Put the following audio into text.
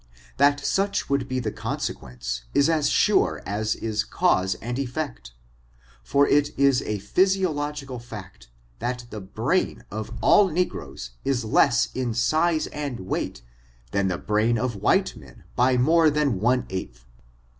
That such would be the con sequence is as sure as is cause and effect ; for it is a i^ysio logical fact, that the brain of all negroes is less in size and weight than the brain of white men by naove \ than one eighth.